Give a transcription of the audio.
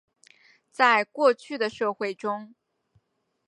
在过去的社会中。